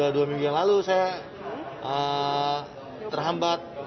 dua minggu yang lalu saya terhambat